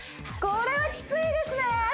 これはキツいですね！